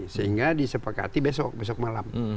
sehingga disepakati besok besok malam